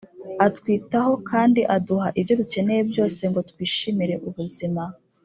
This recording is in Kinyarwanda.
Atwitaho kandi aduha ibyo dukeneye byose ngo twishimire ubuzima